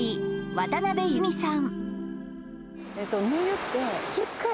渡辺裕美さん